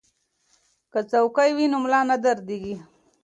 که څوکۍ وي نو ملا نه دردیږي.